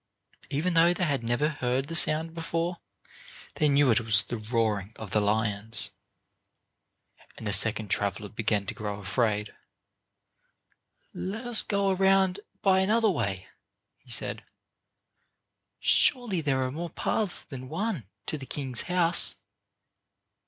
Even though they had never heard the sound before, they knew it was the roaring of the lions. And the second traveler began to grow afraid. "Let us go around by another way," he said. "Surely there are more paths than one to the king's house."